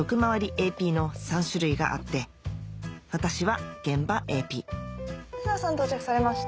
ＡＰの３種類があって私は現場ＡＰ臼田さん到着されました。